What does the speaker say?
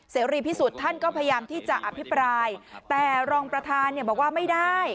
เสรีพิสุทธิ์ท่านก็พยายามที่จะอภิปรายแต่รองประธานเนี่ยบอกว่าไม่ได้